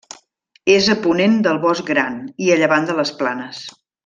És a ponent del Bosc Gran, i a llevant de les Planes.